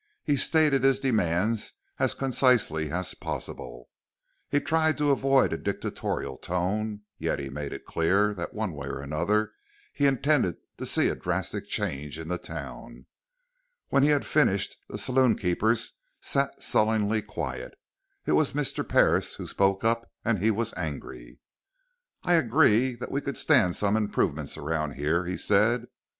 He stated his demands as concisely as possible. He tried to avoid a dictatorial tone, yet he made it clear that one way or another he intended to see a drastic change in the town. When he had finished, the saloonkeepers sat sullenly quiet. It was Mr. Parris who spoke up, and he was angry. "I agree that we could stand some improvement around here," he said.